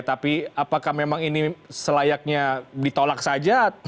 tapi apakah memang ini selayaknya ditolak saja